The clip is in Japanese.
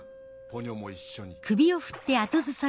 ポニョも一緒に。